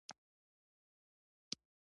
• دا قوم د جرګو او مرکو ارزښت پېژني.